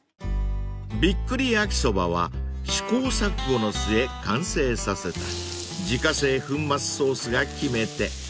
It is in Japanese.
［びっくり焼きそばは試行錯誤の末完成させた自家製粉末ソースが決め手］